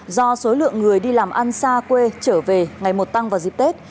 do số lượng người đi làm ăn xa quê trở về ngày một tăng vào dịp tết